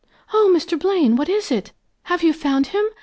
"Oh, Mr. Blaine, what is it! Have you found him?